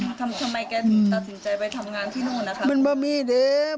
บอกว่าจะไปหางานให้ได้วันนั้น